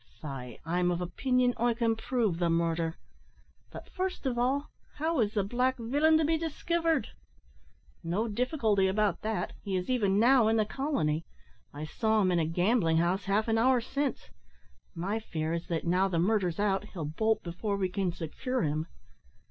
faix, I'm of opinion I can prove the murder; but, first of all, how is the black villain to be diskivered?" "No difficulty about that. He is even now in the colony. I saw him in a gambling house half an hour since. My fear is that, now the murder's out, he'll bolt before we can secure him."